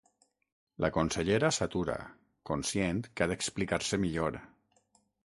La consellera s'atura, conscient que ha d'explicar-se millor.